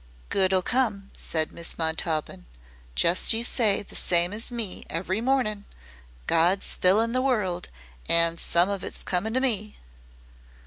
"Good 'll come," said Miss Montaubyn. "Just you say the same as me every mornin' 'Good's fillin' the world, an' some of it's comin' to me.